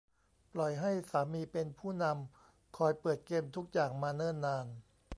ปล่อยให้สามีเป็นผู้นำคอยเปิดเกมทุกอย่างมาเนิ่นนาน